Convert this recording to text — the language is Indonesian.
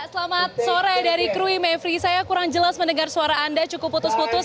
selamat sore dari krui mevri saya kurang jelas mendengar suara anda cukup putus putus